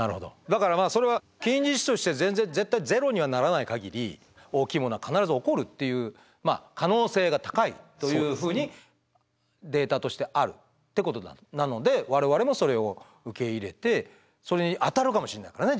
だからそれは現実として全然絶対ゼロにはならない限り大きいものは必ず起こるっていう可能性が高いというふうにデータとしてあるってことなので我々もそれを受け入れてそれに当たるかもしれないからね自分が。